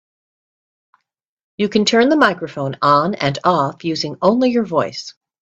You can turn the microphone on and off using only your voice.